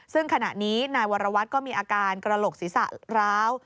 ซึ่งขณะนี้นายวรวัตรก็มีอาการกระโหลกศีรษะร้าว